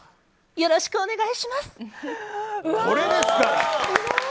よろしくお願いします。